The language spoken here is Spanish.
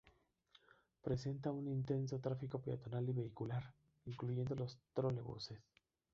Presenta un intenso tráfico peatonal y vehicular, incluyendo los trolebuses.